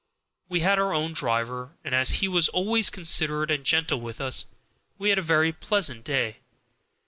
We had our own driver, and as he was always considerate and gentle with us, we had a very pleasant day.